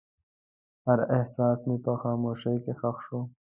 هر احساس مې په خاموشۍ کې ښخ شو.